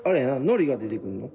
のりが出てくんの。